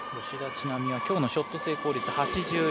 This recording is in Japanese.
吉田知那美はきょうのショット成功率８１％。